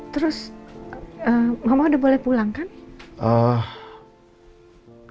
terus mama udah boleh pulang kan